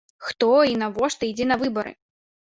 Хто і навошта ідзе на выбары?